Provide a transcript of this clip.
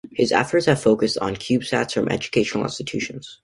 His efforts have focused on CubeSats from educational institutions.